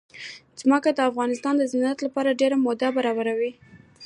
ځمکه د افغانستان د صنعت لپاره ډېر مواد برابروي.